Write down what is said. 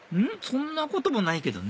そんなこともないけどね